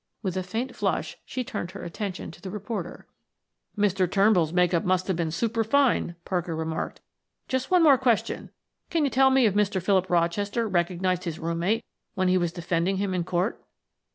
With a faint flush she turned her attention to the reporter. "Mr. Turnbull's make up must have been superfine," Parker remarked. "Just one more question. Can you tell me if Mr. Philip Rochester recognized his room mate when he was defending him in court?"